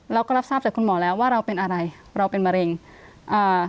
เราก็รับทราบจากคุณหมอแล้วว่าเราเป็นอะไรเราเป็นมะเร็งอ่า